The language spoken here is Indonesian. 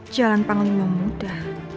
jalan panglima muda